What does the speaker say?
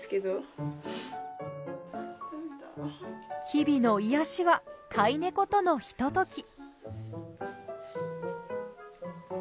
日々の癒やしは飼い猫とのひととき。